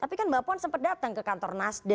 tapi kan mbak puan sempat datang ke kantor nasdem